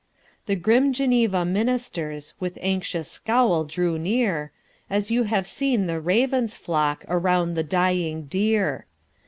The grim Geneva ministersWith anxious scowl drew near, As you have seen the ravens flockAround the dying deer.